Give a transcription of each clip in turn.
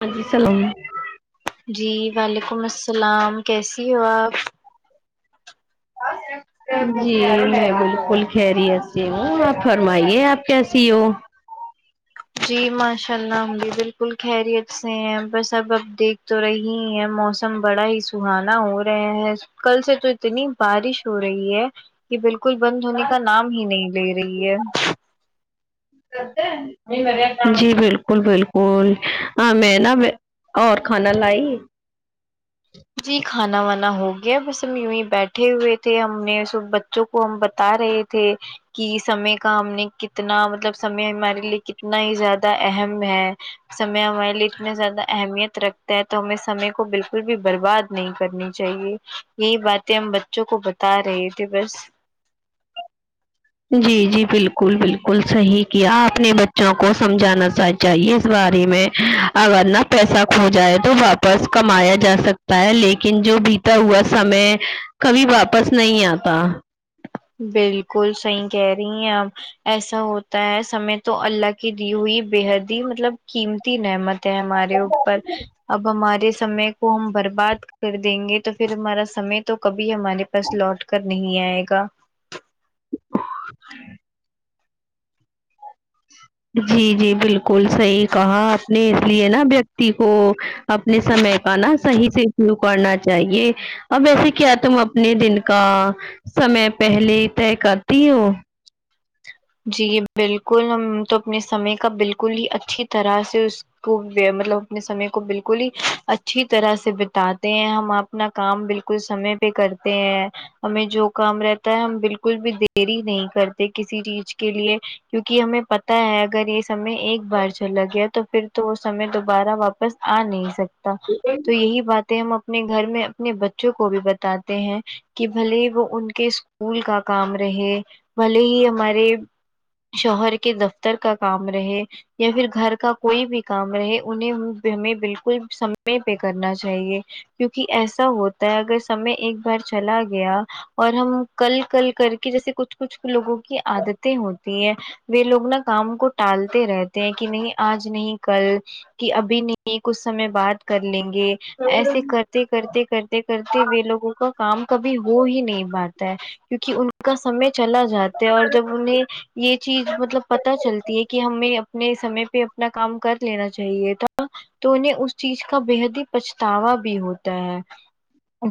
ہاں جی سلام جی وعلیکم السلام کیسی ہو آپ [unintelligible] جی میں بالکل خیریت سے ہوں آپ فرمائیے آپ کیسی ہو جی ماشاء اللہ ہم بھی بالکل خیریت سے ہیں بس اب اب دیکھ تو رہی ہی ہیں موس م بڑا ہی سہانا ہو رہا ہے کل سے تو اتنی بارش ہو رہی ہے یہ بالکل بند ہونے کا نام ہی نہیں لے رہی ہے جی بالکل بالکل ہاں میں نا اور کھانا لائی جی کھانا وانا ہو گیا بس یوہی بیٹھے ہوئے تھے ہم نے سب بچ بچوں کو ہم بتا رہے تھے کہ سمے کا ہم نے کتنا مطلب سمے ہمارے لیے کتنا ہی زیادہ اہم ہے سمے ہمارے لیے اتنے زیادہ اہمیت رکھتا ہے تو ہمیں سمے کو بالکل بھی برباد نہیں کرنی چاہیے یہی باتیں ہم بچوں کو بتا رہے تھے بس جی جی بالکل بالکل صحیح کیا آپ نے بچوں کو سمجانا سچ چاہیے اس بارے میں اگر نہ پیسہ کھو جائے تو واپس کمایا جا سک تا ہے لیکن جو بیتا ہوا سمے کبھی واپس نہیں آتا بالکل صحیح کہہ رہی ہیں آپ ایسا ہوتا ہے سمے تو اللہ کی دی ہوئی بےحد ہی مطلب قیمتی نعمت ہمارے اوپر اب ہمارے سمے کو ہم برباد کر دیں گے تو پھر ہمارا سمے تو کبھی ہمارے پاس لوٹ کر نہیں آئے گا جی جی بالکل صحیح کہا آپ نے اس لیے نہ ویک تی کو اپنے سمے کا نہ صحیح سے شرو کرنا چاہیے اب ویسے کیا تم اپنے دن کا سمے پہلے ہی طئے کرتی ہو جی بالکل ہم تو اپنے سمے کا بالکل ہی اچھی طرح سے اس کو [unintelligible] مطلب اپنے سمے کو بالکل ہی اچھی طرح سے بتاتے ہیں ہم آپ اپنا کام بالکل سمے پے کرتے ہیں ہمیں جو کام رہتا ہے ہم بالکل بھی دیری نہیں کرتے کسی چیز کے لیے کیونکی ہمیں پتہ ہے اگر یے سمے ایک بار چلا گیا تو پھر تو وہ سمے دوبارہ واپس آ نہیں سکتا تو یہی باتیں ہم اپنے گھر میں اپنے بچوں کو بھی بتاتے ہیں کی بھلے ہی وہ ان کے اسکول کا کام رہے بھلے ہی ہمارے شہر کے دفتر کا کام رہے یے پھر گھر کا کوئی بھی کام رہے انہیں ہمیں بالکل سمے پے کرنا چاہیے کیونکی ایسا ہوتا ہے اگر سمے ایک بار چلا گیا اور ہم کل کل کر کے جیسے کچھ کچھ لوگوں کی عادت ہوتی ہیں وہ لوگ نہ کام کو ٹالتے رہتے ہیں کی نہیں آج نہیں کل کہ ابھی نہیں کچھ سمے بات کرلیں گے ایسے کرتے کرتے کرتے کرتے وہ لوگوں کا کام کبھی ہو ہی نہیں پاتا ہے کیونکی ان کا سمے چلا جاتا ہے اور جب یے چیز مطلب پتا چلتی ہے کی ہمیں اپنے سمے پے اپنا کام کر لینا چاہیے تھا تو انہیں اس چیز کا بے حد ہی پچھتاوا بھی ہوتا ہے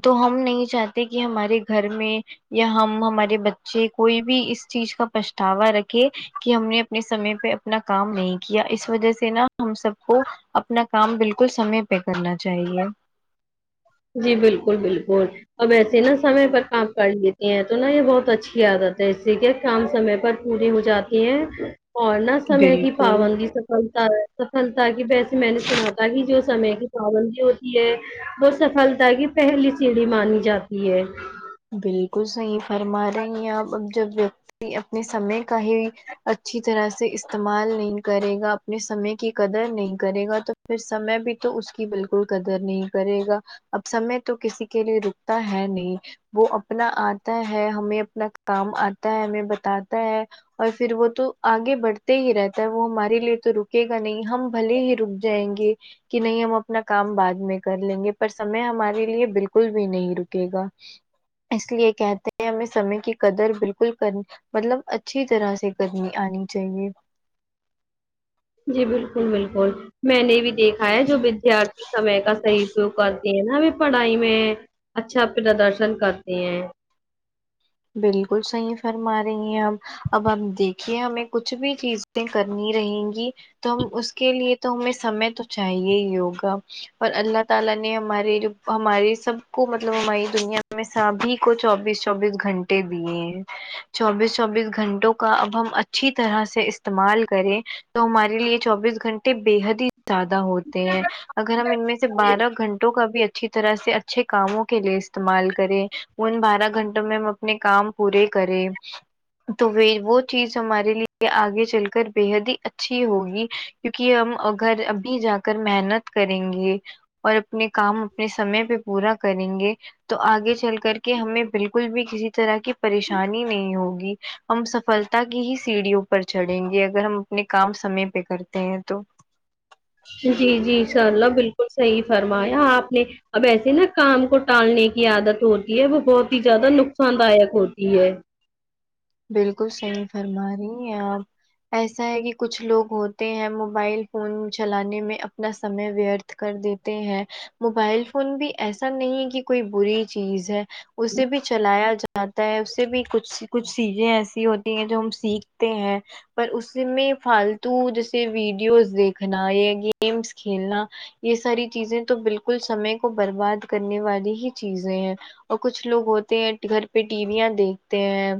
تو ہم نہیں چاہتے کی ہمارے گھر میں یا ہم ہمارے بچے کوئی بھی اس چیز کا پچھتاوا رکھے کی ہم نے اپنے سمے پے اپنا کام نہیں کیا اس وجہ سے نہ ہم سب کو اپنا کام بالکل سمے پے کرنا چاہیے جی بالکل بالکل اب ایسے نہ سمے پر کام کر لیتی ہیں تو نہ یے بہت اچھی عادت ہے اسے کہ کام سمے پر پوری ہو جاتی ہیں اور نہ سمے کی بالکل پابندی سفلتا سفلتا کی ویسے میں نے سنا تھا کی جو سمے کی پابندی ہوتی ہے وہ سفلتا کی پہلی سیڑھی مانی جاتی ہے بالکل صحیح فرما رہی ہے آپ اب جب ویکتی اپنے سمے کا ہی اچھی طرح سے استعمال نہیں کرے گا اپنے سمے کی قدر نہیں کرے گا تو پھر سمے بھی تو اس کی بالکل قدر نہیں کرے گا اب سمے تو کسی کے لیے رکتا ہے نہیں وہ اپنا آتا ہے ہمیں اپنا کام آتا ہے ہمیں بتاتا ہے اور پھر وہ تو آگے بڑھتے ہی رہتا ہے وہ ہمارے لیے تو رکے گا نہیں ہم بھلے ہی رک جائے گی کی نہیں ہم اپنا کام بعد میں کر لیں گے پر سمے ہمارے لیے بالکل بھی نہیں رکے گا اس لیے کہتے ہیں ہمیں سمے کی قدر بالکل کر مطلب اچھی طرح سے کرنی آنی چاہیے جی بالکل بالکل میں نے بھی دیکھا ہے جو ودیارتی سمے کا صحیح سے [unintelligible] نا ابھی پڑھائی میں اچھادرشن کرتے ہیں بالکل صحیح فرما رہی ہیں آپ اب ہم دیکھیے ہمیں کچھ بھی چیزیں کرنی رہیں گی تو ہم اس کے لیے تو ہمیں سمے تو چاہیے ہی ہوگا اور اللہ تعالی نے ہمارے جو ہماری سب کو مطلب ہماری دنیا میں سبھی کو چوبیس چوبیس گھنٹے دیے ہیں چوبیس چوبیس گھنٹوں کا اب ہم اچھی طرح سے استعمال کریں تو ہمارے لیے چوبیس گھنٹے بے حد ہی زیادہ ہوتے ہیں اگر ہم ان میں سے بارہ گھنٹوں کا بھی اچا اچھی طرح سے اچھے کاموں کے لیے استعمال کریں ان بارہ گھنٹوں میں ہم اپنے کام پورے کرے تو وہ چیز ہمارے لیے آگے چل کر بےحد ہی اچھی ہوگی کیونکہ ہم گھر ابھی جا کر محنت کریں گے اور اپنے کام اپنے سمے پہ پورا کریں گے تو آگے چل کر کے ہمیں بالکل بھی کسی طرح کی پریشانی نہیں ہوگی ہم سفلتا کی ہی سیڑھیوں پر چڑھیں گے اگر ہم اپنے کام سمے پہ کرتے ہیں تو جی جی انشاء اللہ بالکل صحیح فرمایا آپ نے اب ایسے نا کام کو ٹالنے کی عادت ہوتی ہے وہ بہت ہی زیادہ نقصان داک ہوتی ہے بالکل صحیح فرما رہی ہے آپ ایسا ہے کہ کچھ لوگ ہوتے ہیں موبائل فون چلانے میں اپنا سمے ویرتھ کر دیتے ہیں موبائل فون بھی ایسا نہیں ہے کہ کوئی بری چیز ہے اسے بھی چلایا جاتا ہے اس سے بھی کچھ کچھ چیزیں ایسی ہوتی ہیں جو ہم سیکھتے ہیں پر اس میں فالتو جیسے ویڈیوز دیکھنا یا گیمس کھیلنا یہ ساری چیزیں تو بالکل سمے کو برباد کرنے والی ہی چیزیں ہیں اور کچھ لوگ ہوتے ہیں گھر پہ ٹی ویاں دیکھتے ہیں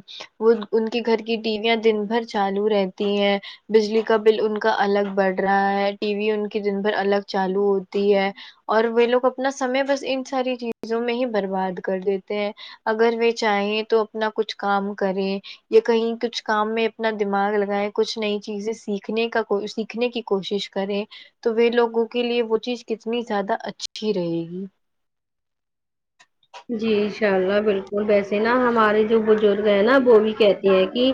وہ ان کے گھر کی ٹی ویاں دن بھر چالو رہتی ہیں بجلی کا بل ان کا الگ بڑھ رہا ہے ٹی وی ان کی دن بھر الگ چالو ہوتی ہے اور وہ لوگ اپنا سمے بس ان ساری چیزوں میں ہی برباد کر دیتے ہیں اگر وہ چاہیں تو اپنا کچھ کام کریں یا کہیں کچھ کام میں اپنا دماغ لگائے کچھ نئی چیزیں سیکھنے کا کو سیکھنے کی کوشش کریں تو وہ لوگوں کے لیے وہ چیز کتنی زیادہ اچھی رہے گی جی انشاء اللہ بالکل ویسے نا ہمارے جو بزرگ ہیں نا وہ بھی کہتے ہیں کہ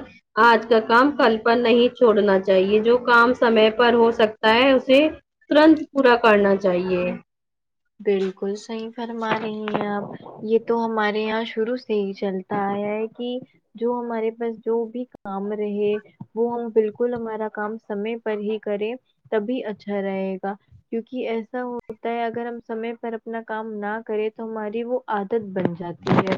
آج کا کام کل پر نہیں چھوڑنا چاہیے جو کام سمے پر ہو سکتا ہے اسے ترنت پورا کرنا چاہیے بالکل صحیح فرما رہے ہیں آپ یہ تو ہمارے یہاں شروع سے ہی چلتے تا یہ ہے کہ جو ہمارے پاس جو بھی کام رہے وہ ہم بالکل ہمارا کام سمے پر ہی کریں تبھی اچھا رہے گا کیونکہ ایسا ہوتا ہے اگر ہم سمے پر اپنا کام نہ کرے تو ہماری وہ عادت بن جاتی ہے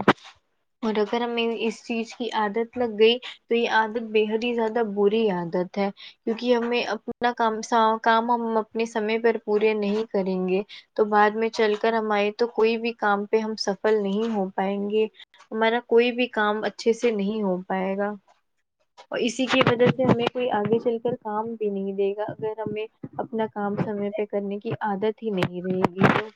اور اگر ہمیں اس چیز کی عادت لگ گئی تو یہ عادت بے حد ہی زیادہ بری عادت ہے کیونکہ ہمیں اپنا کام کام ہم اپنے سمے پر پورے نہیں کریں گے تو بعد میں چل کر ہمارے تو کوئی بھی کام پہ ہم سفل نہیں ہو پائیں گے ہمارا کوئی بھی کام اچھے سے نہیں ہو پائے گا اور اسی کی وجہ سے ہمیں کوئی آگے چل کر کام بھی نہیں دے گا اگر ہمیں اپنا کام سمے پہ کرنے کی عادت ہی نہیں رہے گی [inaudible]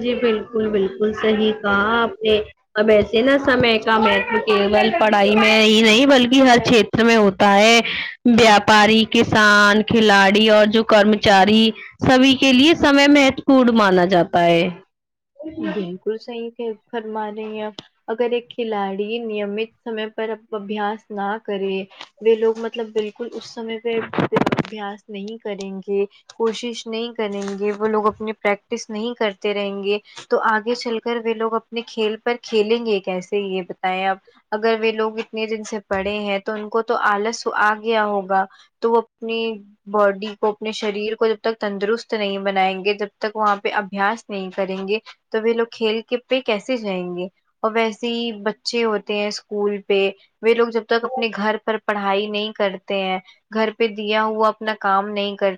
جی بالکل بالکل صحیح کہا آپ نے اب ایسے نا سمے کا مہیتو کیول پڑھائی میں ہی نہیں بلکہ ہر چھت ر میں ہوتا ہے ویاپاری کسان کھلاڑی اور جو کرمچاری سبھی کے لیے سمے مہتپورن مانا جاتا ہے بالکل صحیح کہ فرمارہی ہیں آپ اگر ایک کھلاڑی نیمت سمے پر اب ابیاس نہ کرے یہ لوگ مطلب بالکل اس سمے پہ ابیاس نہیں کریں گے کوشش نہیں کریں گے وہ لوگ اپنی پریکٹس نہیں کرتے رہیں گے تو آگے چل کر وہ لوگ اپنے کھیل پر کھیلیں گے کیسے یہ بتائیں آپ اگر وہ لوگ اتنے دن سے پڑے ہیں تو ان کو تو آلس تو آگیا ہوگا تو وہ اپنی باڈی کو اپنے شریر کو جب تک تندرست نہیں بنائیں گے جب تک وہاں پہ ابھیاس نہیں کریں گے تو وہ لوگ کھیل کود پہ کیسے جائیں گے اور ویسے ہی بچے ہوتے ہیں اسکول پہ وہ لوگ جب تک اپنے گھر پر پڑھائی نہیں کرتے ہیں گھر پہ دیا ہوا اپنا کام نہیں کر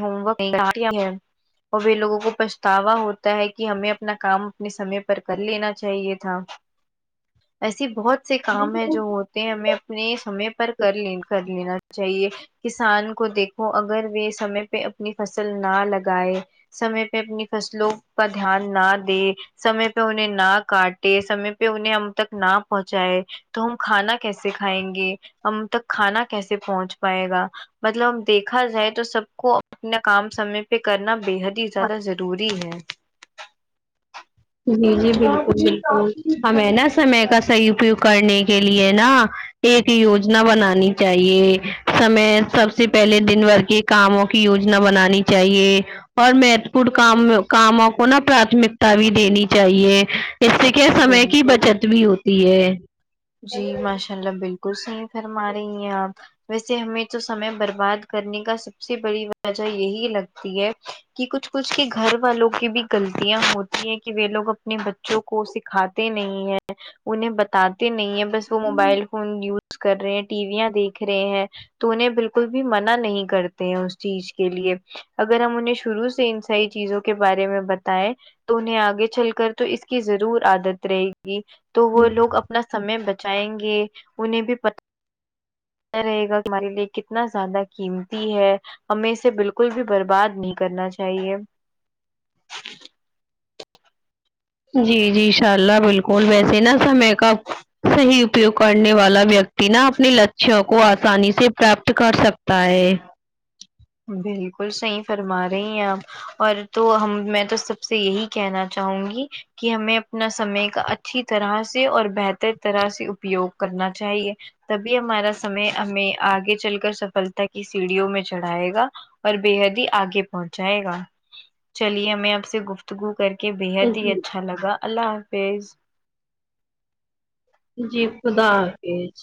ہوم ورک [unintelligible] اور یہ لوگوں کو پچھتاوا ہوتا ہے کہ ہمیں اپنا کام اپنے سمے پر کر لینا چاہیے تھا ایسی بہت سے کام ہے جو ہوتے ہیں ہمیں اپنے سمے پر کر لین کر لینا چاہیے چاہیے کسان کو دیکھو اگر وہ سمے پہ اپنی فصل نہ لگائے سمے پہ اپنی فصلوں کا دھیان نہ دے سمے پہ انہیں نہ کاٹے سمے پہ انہیں ہم تک نہ پہنچائے تو ہم کھانا کیسے کھائیں گے ہم تک کھانا کیسے پہنچ پائے گا مطلب ہم دیکھا جائے تو سب کو اپنا کام سمے پہ کرنا بےحد ہی زیادہ ضروری ہے جی جی بالکل بالکل ہمیں نا سمے کا صحیح اپیوگ کرنے کے لیے نا ایک یوجنا بنانی چاہیے سمے سب سے پہلے دن بھر کی کاموں کی یوجنا بنانی چاہیے اور مہتپورں کام کاموں کو نا پراتمکتا بھی دینی چاہیے اس سے کیا سمے کی بالکل بچت بھی ہوتی ہے جی ماشاء اللہ بالکل صحیح فرما رہی ہیں آپ ویسے ہمیں تو سمے برباد کرنے کا سب سے بڑی وجہ یہی لگتی ہے کہ کچھ کچھ کے گھر والوں کی بھی غلطیاں ہوتی ہیں کہ وہ لوگ اپنے بچوں کو سکھاتے نہیں ہے انہیں بتاتے نہیں ہے بس وہ موبائل فون یوز کر رہے ہیں ٹیویاں دیکھ رہے ہیں تو انہیں بالکل بھی منع نہیں کرتے ہیں اس چیز کے لیے اگر ہم انہیں شروع سے ان ساری چیزوں کے بارے میں بتائے تو انہیں آگے چل کر تو اس کی ضرور عادت رہے گی تو وہ لوگ اپ نا سمے بچائیں گے انہیں بھی پتا رہے گا ک ہمارے لیے کتنا زیادہ قیمتی ہے ہمیں اسے بالکل بھی برباد نہیں کرنا چاہیے جی جی انشاء اللہ بالکل ویسے نا سمے کا اب صحیح اپیوگ کرنے والا ویکتی نا اپنے لچوں کو آسانی سے پراپت کر سکتا ہے بالکل صحیح فرمارہی ہیں آپ اور تو ہم میں تو سب سے یہی کہنا چاہوں گی کہ ہمیں اپنا سمے کا اچھا اچھی طرح سے اور بہتر طرح سے اپیوگ کرنا چاہیے تبھی ہمارا سمے ہمیں آگے چل کر سفلتا کی سیڑھیوں میں چڑ آئے گا اور بے حد ہی آگے پہنچائے گا چلیے میں آپ سے گف تگو کر کے بےحد ہی اچھا لگا اللہ حافظ جی خدا حفیظ